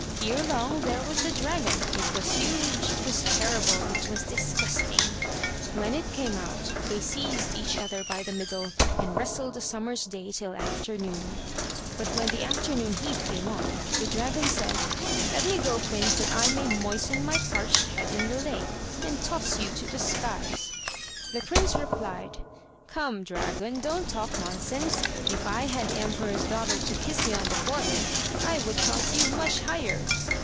Erelong, there was the dragon! it was huge, it was terrible, it was disgusting! When it came out, they seized each other by the middle, and wrestled a summer's day till afternoon. But when the afternoon heat came on, the dragon said: "Let me go, prince, that I may moisten my parched head in the lake, and toss you to the skies." The prince replied: "Come, dragon, don't talk nonsense; if I had the emperor's daughter to kiss me on the forehead, I would toss you much higher."